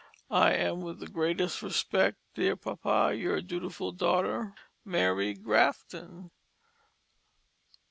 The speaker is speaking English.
"I am with greatest Respect, Dear Pappa, "Yr dutiful Daughter, "MARY GRAFTON.